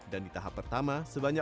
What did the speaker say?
dan di tahap pertama